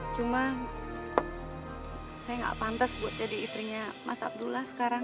cuma saya nggak pantas buat jadi istrinya mas abdullah sekarang